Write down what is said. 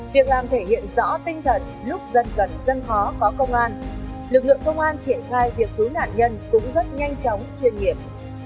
việc làm thể hiện rõ tinh thần lúc dân gần dân khó có công an lực lượng công an triển khai việc cứu nạn nhân cũng rất nhanh chóng chuyên nghiệp